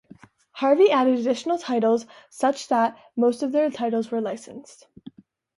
Harvey added additional titles such that most of their titles were licensed.